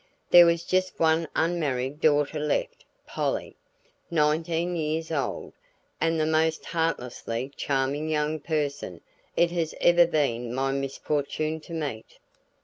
There was just one unmarried daughter left Polly, nineteen years old, and the most heartlessly charming young person it has ever been my misfortune to meet.